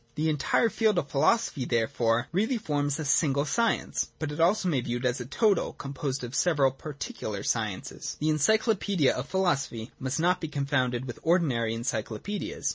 The entire field of philosophy therefore really forms a single science ; but it may also be viewed as a total, composed of several particular sciences. The encyclopaedia of philosophy must not be con founded with ordinary encyclopaedias.